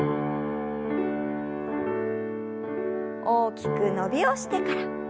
大きく伸びをしてから。